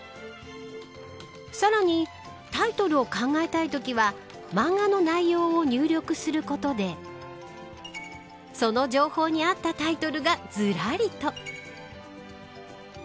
さらにタイトルを考えたいときは漫画の内容を入力することでその情報にあったタイトルがずらりと。